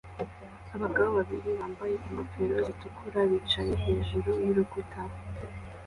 Abagabo babiri bambaye ingofero zitukura bicaye hejuru y'urutare